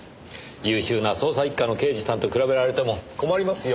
優秀な捜査１課の刑事さんと比べられても困りますよ。